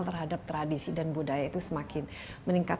terhadap tradisi dan budaya itu semakin meningkat